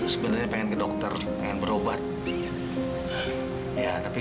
saya masih sakit sekarang masih sakit